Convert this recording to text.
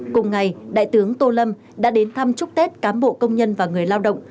cùng ngày đại tướng tô lâm đã đến thăm chúc tết cán bộ công nhân và người lao động